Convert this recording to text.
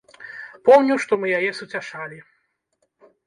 Помню, што мы яе суцяшалі.